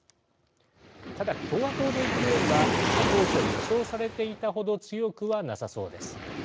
ただ、共和党の勢いは当初予想されていたほど強くはなさそうです。